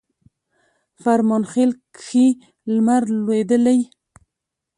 فرمانخیل کښي لمر لوېدلی